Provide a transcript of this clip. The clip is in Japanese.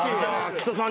木曽さん